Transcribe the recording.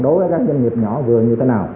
đối với các doanh nghiệp nhỏ vừa như thế nào